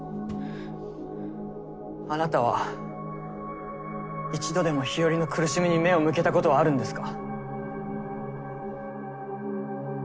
あなたは一度でも日和の苦しみに目を向けたことはあるんですか？